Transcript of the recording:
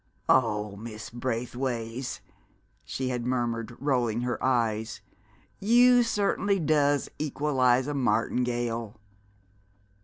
"Oh, Miss Braithways!" she had murmured, rolling her eyes, "you certainly does equalize a martingale!"